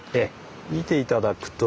見て頂くと。